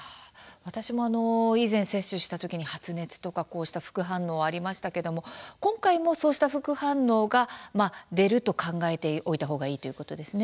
私も以前、接種した時に発熱とかこうした副反応がありましたけれども今回もそうした副反応が出ると考えておいた方がいいということですね。